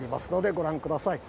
ご覧ください。